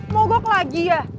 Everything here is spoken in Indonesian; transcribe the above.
mau gok lagi ya